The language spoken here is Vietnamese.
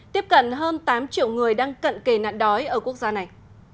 tiếp cận hơn tám triệu người đang cận kề nạn đói ở quốc gia này